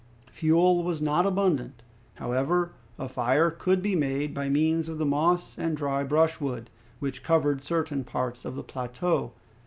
Fuel was not abundant. However, a fire could be made by means of the moss and dry brushwood, which covered certain parts of the plateau.